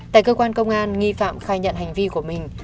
tại cơ quan công an nghi phạm khai nhận hành vi của mình